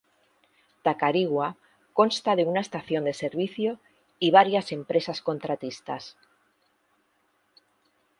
Tacarigua, consta de una estación de servicio y varias empresas contratistas.